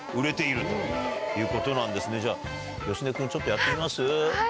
じゃあ芳根君ちょっとやってみます？